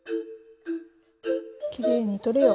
きれいに取れよ。